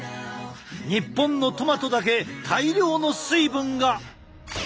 日本のトマトだけ大量の水分が！